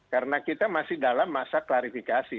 karena kita masih dalam masa klarifikasi